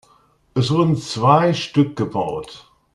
Es wurden zwei Stück gebaut.